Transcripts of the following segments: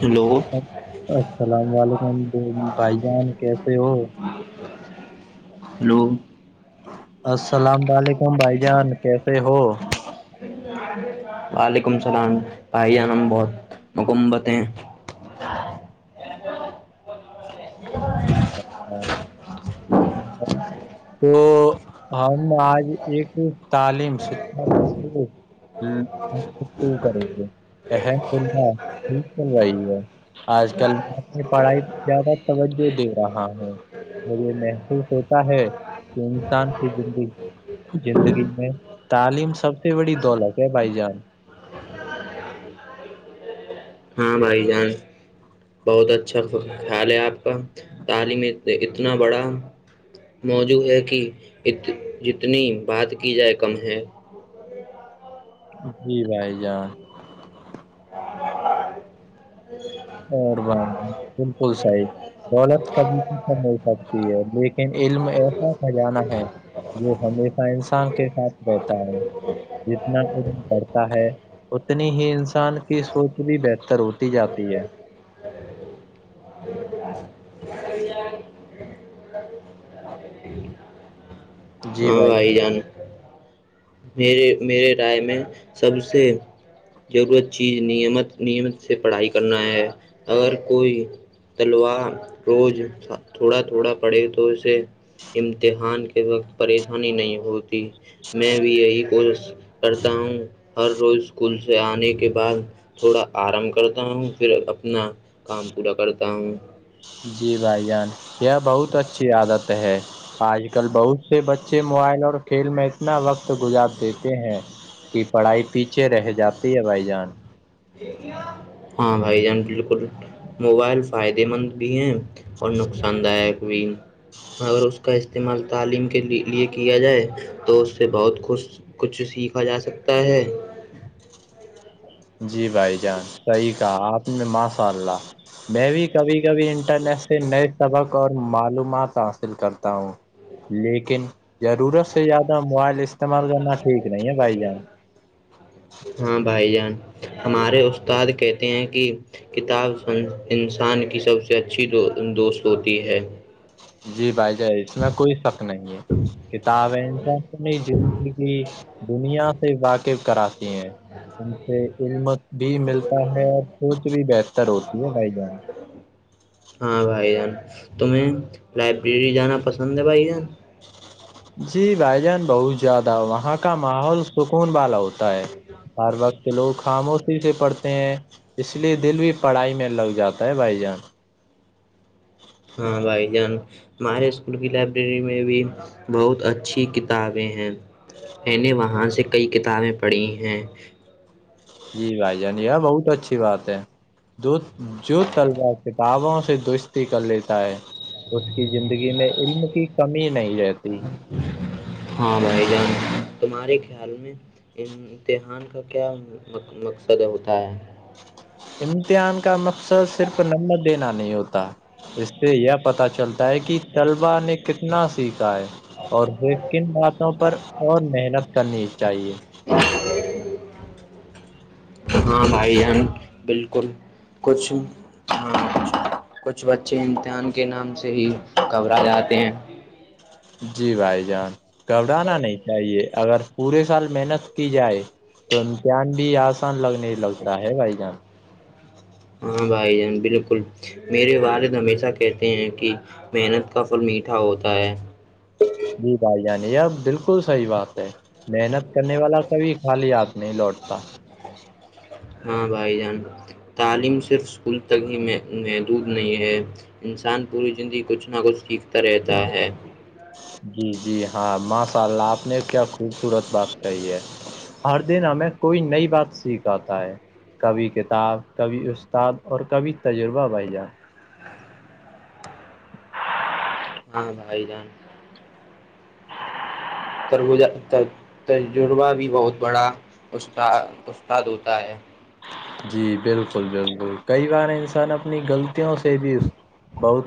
جی لوگوں السلام علیکم بھائی جان کیسے ہو ہلو السلام وعلیکم بھائی جان کیسے ہو وعلیکم السلام بھائی جان ہم بہت مکمبت ہیں [inaudible] ہاں تو ہم آج ایک تعلیم سا پر ہب کریں گے ام فحہ ھیک چل رہی ہے آج کل اپنی پڑھائی زیادہ توجہ دے رہا ہوں مجھے محسوس ہوتا ہے کہ انسان کی زگی زندگی میں تعلیم سب سے بڑی دولت ہے بھائی جان ہاں بھائی جان بہت اچھا خیال ہے آپ کا تعلیم اتنا بڑا موجوع ہے کہ جتنی بات کی جائے کم ہے [inaudible] جی بھائی جان [inaudible] اور بھائی بالکل سائ دولت کب ہو سکتی ہے لیکن علم ایسا کھجانا ہے جو ہمیشہ انسان کے ساتھ رہتا ہے جتنا بڑھتا ہے اتنی ہی انسان کی سوچ بھی بہتر ہوتی جاتی ہے [inaudible] جی ہاں بھائی آائی جان میرے میرے رائے میں سب سے ضرورت چیز نیمت نیمت سے پڑھائی کرنا ہے اگر کوئی تلوار روز تھوڑا تھوڑا پڑے تو اسے امتحان کے وقت پریشانی نہیں ہوتی میں یہی کوشش کرتا ہوں ہر روز اسکول سے آنے کے بعد تھوڑا آرام کرتا ہوں پھر اپنا کام پورا کرتا ہوں جی بھائی جان یہ بہت اچھی عادت ہے آج کل بہت سے بچے موبائل اور کھیل میں اتنا وقت گزار دیتے ہیں کی پڑھائی پیچھے رہ جاتی ہے بھائی جان ہاں بھائی جان بالکل موبائل فائدے مند بھی ہیں اور نقصان وین اگر اس کا استعمال تعلیم کے لیے کیا جائے تو اس سے بہت خوش کچھ سیکھا جا سکتا ہے جی بھائی جان صحیح کہا آپ نے ماشاء اللہ میں بھی کبھی کبھی انٹرنیٹ سے نئے سبق اور معلومات حاصل کرتا ہوں لیکن ضرورت سے زیادہ موبائل استعمال کرنا ٹھیک نہیں ہے بھائی جان ہاں بھائی جان ہمارے استاد کہتے ہیں کہ کتاب انسان کی سب سے اچھی دوست ہوتی ہے جی بھائی جان اس میں کوئی شک نہیں ہے کتاب ہے ان کا اپنی زندگی دنیا سے واقف کراتی ہیں ان سے علمت بھی ملتا ہے اور سوچ بھی بہتر ہوتی ہے بھائی جان ہاں بھائی جان تمہیں لائبریری جانا پسند ہے بھائی جان جی بھائی جان بہت زیادہ وہاں کا ماحول سکون والا ہوتا ہے ہر وقت کہ لوگ خاموشی سے پڑھتے ہیں اس لیے دل بھی پڑھائی میں لگ جاتا ہے بھائی جان ہاں بھائی جان ہمارے اسکول کی لائبریری میں بھی بہت اچھی کتابیں ہیں میں نے وہاں سے کئی کتابیں پڑھی ہیں جی بھائی جان بہت اچھی بات ہے جو جو تل جار سے کووں سے دوستی کر لیتا ہے اس کی زندگی میں علم کی کمی نہیں رہتی ہاں بھائی جان تمہارے خیال میں امتحان کا کیا مقصد ہوتا ہے امتحان کا مقصد صرف نمت دینا نہیں ہوتا اس سے یہ پتہ چلتا ہے کہ طلبا نے کتنا سیکھا ہے اور وہ کن باتوں پر اور محنت کرنی چاہیے ہاں بھائی جان بالکل کچنگ ہاں کچھ بچے امتحان کے نام سے ہی گھبرا جاتے ہیں جی بھائی جان گھبرانا نہیں چاہیے اگر پورے سال محنت کی جائے تو امتحان بھی آسان لگنے لگتا ہے بھائی جان ہاں بھائی جان بالکل میرے والد ہمیشہ کہتے ہیں کہ محنت کا پھل میٹھا ہوتا ہے جی بھائی جانیار بالکل صحی بات ہے محنت کرنے والا کبھی خالی ہاتھ نہیں لوٹتا ہاں بھائی جان تعلیم صرف اسکول تک ہی محدود نہیں ہے انسان پوری زندگی کچھ نہ کچھ سیکھتا رہتا ہے جی جی ہاں ماشاء اللہ آپ نے کیا خوبصورت بات کہی ہے ہر دن ہمیں کوئی نئی بات سیکھ آتا ہے کبھی کتاب کبھی استاد اور کبھی تجربہ بھائی جان ہاں بھائی جان تجربہ بھی بہت بڑا اس استاد ہوتا ہے جی بالکل بالکل کئی بار انسان اپنی غلطوں سے بھی بہت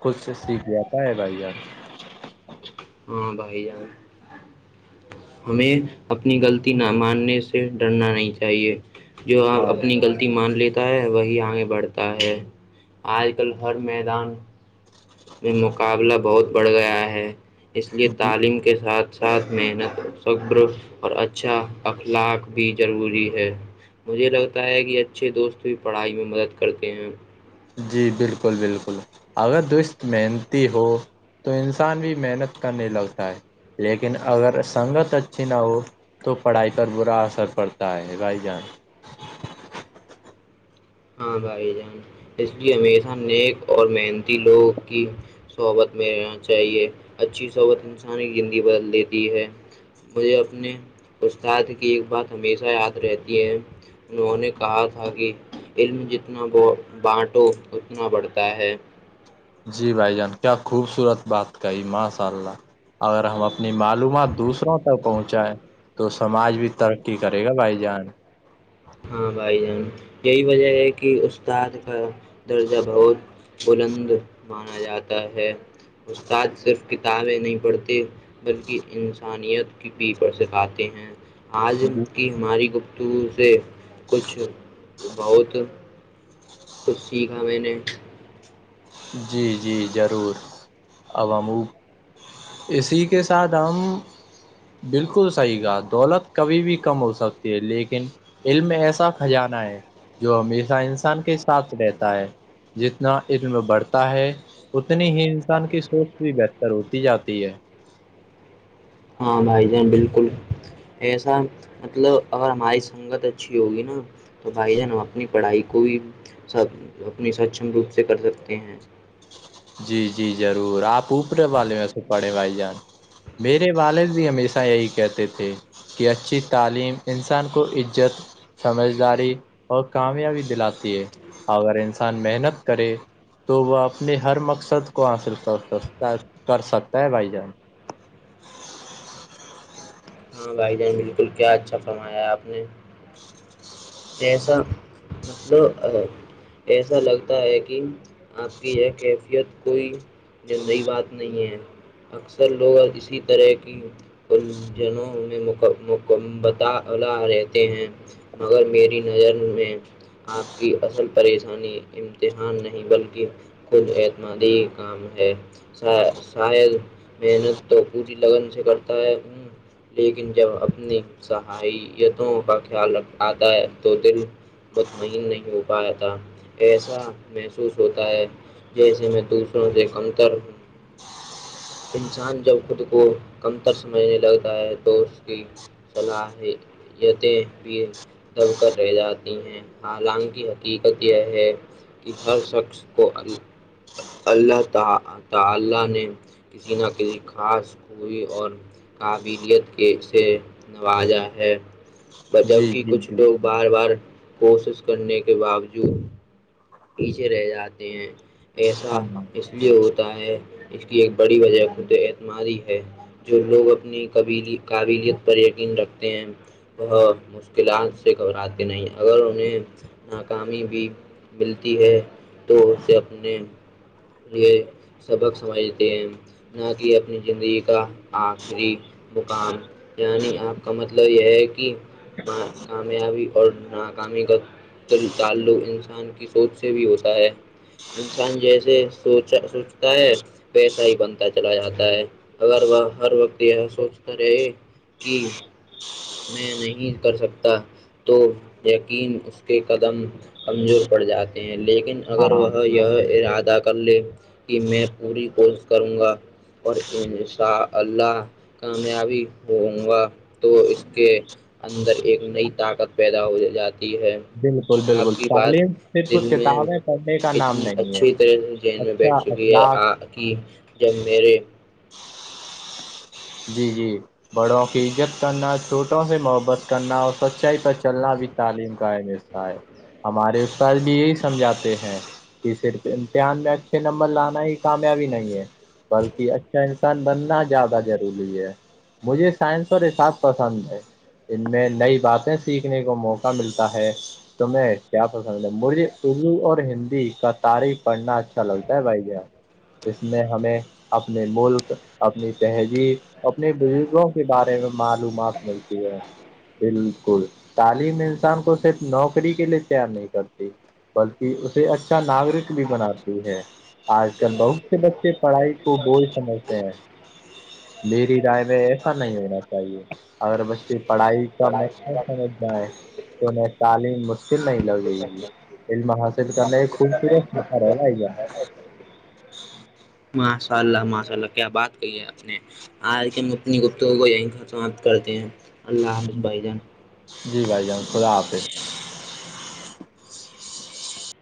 کچھ سیکھ جاتا ہے بھائی یار ہاں بائی جان ہمیں اپنی غلطی نہ ماننے سے ڈرنا نہیں چاہیے جو آپ ہاں اپنی غلطی مان لیتے وہی آگے بڑھتا ہے آج کل ہر میدان میں مقابلہ بہت بڑھ گیا ہے اس لیے جی تعلیم کے ساتھ ساتھ محنت سر اور اچھا اخلاق بھی ضروری ہے مجھے لگتا ہے کہ اچھے دوست بھی پڑھائی میں مدد کرتے ہیں جی بالکل بالکل اگر درست محنتی ہو تو انسان بھی محنت کرنے لگتا ہے لیکن اگر سنگت اچھی نہ ہو تو پڑھائی پر برا اثر پڑتا ہے بھائی جان ہاں بھائی جان اس لیے ہمیشہ نیک اور محنتی لوگ کی صحبت میں رہنا چاہیے اچھی صحبت انسان کی زندگی بدل دیتی ہے مجھے اپنے استاد کی ایک بات ہمیشہ یاد رہتی ہے انہوں نے کہا تھا کہ علم جتنا ب بانٹو اتنا بڑھتا ہے جی بھائی جان کیا خوبصورت بات کہی ماشاء اللہ اگر ہم اپنی معلومات دوسروں تک پہنچائے تو سماج بھی ترقی کرے گا بھائی جان ہاں بھائی جان یہی وجہ ہے کہ استاد کا درجہ بہت بلند مانا جاتا ہے استاد صرف کتابیں نہیں پڑھتے بلکہ انسانیت کی پی پر سکھاتے ہیں عال جی کی ہماری گفتگ سے کچھ بہت کچھ سیکھا میں نے جی جی ضرور اوامو اسی کے ساتھ ہم بالکل صحیح گا دولت کبھی بھی کم ہو سکتی ہے لیکن علم ایسا خجانہ ہے جو ہمیشہ انسان کے ساتھ رہتا ہے جتنا ایک بڑھتا ہے اتنی ہی انسان کی سوچ بھی بہتر ہوتی جاتی ہے ہاں بھائی جان بالکل ایسا مطلب اگر ہماری سنگت اچھی ہوگی نا تو بھائی جان ہم اپنی پڑھائی کو بھی سب اپنی سکچم روپ سے کر سکتے ہیں جی جی ضرور آپ اوپرے والے و سےے پڑھے بھائی جان میرے والد جی ہمیشہ یہی کہتے تھے کہ اچھی تعلیم انسان کو عزت سمجھداری اور کامیابی دلاتی ہے اگر انسان محنت کرے تو وہ اپنے ہر مقصد کو حاصل کر سکتا کر سکتا ہے بھائی جان ہاں بھائی جان بالکل کیا اچھا فرمایا آپ نے جیسا مطلب [unintelligible] ایسا لگتا ہے کہ آپ کی یہ کیفیت کوئی ج نئی بات نہیں ہے اکثر لوگ اور اسی طرح کی الجھنوں میں مکمبلا رہتے ہیں مگر میری نظر میں آپ کی اصل پریشانی امتحان نہیں بلکہ خود اعتمادی کام ہے شاید محنت تو پوری لگن سے کرتا ہے لیکن جب اپنی صحیتوں کا خیال رکھ آتا ہے تو دل مطمئن نہیں ہو پاتیاا ایسا محسوس ہوتا ہے جیسے میں دوسروں سے کمتر انسان جب خود کو کمتر سمجھنے لگتا ہے تو اس کی صلاحییتیں بھی دب کر رہ جاتی ہیں حالان کی حقیقت یہ ہے کہ ہر شخص کو ال اللہ ت تاللہ نے کسی نہ کسی خاص ہوئی اور قابلیت کی سےے نوازا ہے بجب جی کی جی کچھ لوگ بالکل بار بار کوشش کرنے کے باوجود پیچھے رہ جاتے ہیں ایسا ہاں ہاں اس لیے ہوتا ہے اس کی ایک بڑی وجہ خود اعتماد ہے جو لوگ اپنی قبیلی قابلیت پر یقین رکھتے ہیں وہ مشکلات گھبرات کے نہیں اگر انہیں ناکامی بھی ملتی ہے تو اسے اپنے یہ سبق سمجھتے ہیں نہ کہ اپنی زندگی کا آخری مقام یعنی آپ کا مطلب یہ ہے کہ کامیابی اور ناکامی کا تعلق انسان کی سوچ سے بھی ہوتا ہے انسان جیسے سوچتا ہے پیسہ ہی بنتا چلا جاتا ہے اگر وہ ہر وقت یہ سوچتا رہے کہ میں نہیں کر سکتا تو یقین اس کے قدم کمزور پڑ جاتے ہیں لیکن اگر ہاں وہ یہ ارادہ کر لے کہ میں پوری کوشش کروں گا اور انشاء اللہ کامیابی ہووں گا تو اس کے اندر ایک نئی طاقت پیدا ہو جاتی ہے بالکل بالکل آپ کی بات تعلیم دل صرف میں کتابیں پڑھنے کا نام اتنی نہیں ہے اچھی طرح سے جین میں اچھا بیٹھ چکی ہے اخلاق آ کی جب میرے جی جی بڑوں کی عزت کرنا چھوٹوں سے محبت کرنا اور سچائی پر چلنا بھی تعلیم کا اہمص ہمارے استاد بھی یہی سمجھاتے ہیں کہ صرف امتحان میں اچھے نمبر لانا ہی کامیابی نہیں ہے بلکہ اچھا انسان بننا زیادہ ضروری ہے مجھے سائنس اور حساب پسند ہے ان میں نئی باتیں سیکھنے کو موقع ملتا ہے تمہیں کیا پسند ہے مجھے اردو اور ہندی کا تاریخ پڑھنا اچھا لگتا ہے بھائی جان اس میں ہمیں اپنے ملک اپنی تہذیب اپنے بزرگوں کے بارے میں معلومات ملتی ہے بالکل تعلیم انسان کو صرف نوکری کے لیے تیار نہیں کرتی بلکہ اسے اچھا ناگرک بھی بناتی ہے آج کل بہت سے بچے پڑھائی کو بولھ سمجھتے ہیں میری رائے میں ایسا نہیں ہونا چاہیے اورگر بچے پڑھائی کا مقصب سمجھنا ہے تو انہیں تعلیم مشکل نہیں لگے گی فلم حاصل کرنا یہ خوب سورت سطار ہے ماشاء اللہ ماشاء اللہ کیا بات کہی ہے آپ نے آج کیتنی تو وہ یہیں خسمات کرتے ہیں اللہ حافظ بھائی جان جی بھائی جان خدا آافظ